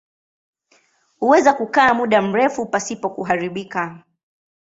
Huweza kukaa muda mrefu pasipo kuharibika.